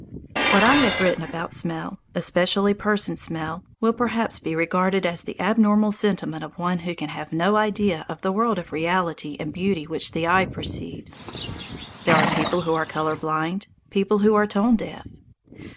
What I have written about smell, especially person smell, will perhaps be regarded as the abnormal sentiment of one who can have no idea of the "world of reality and beauty which the eye perceives." There are people who are colour blind, people who are tone deaf.